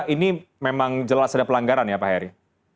ini memang jelas ada pelanggaran ya pak heri